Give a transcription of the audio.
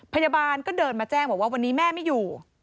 พยาบาลก็เดินมาแจ้งบอกว่าวันนี้แม่ไม่อยู่